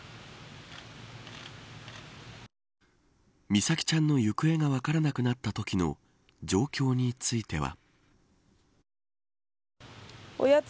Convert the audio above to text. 美咲ちゃんの行方が分からなくなったときの状況については。